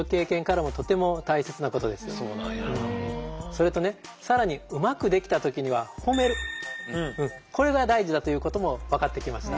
それとね更にうまくできた時には褒めるこれが大事だということも分かってきました。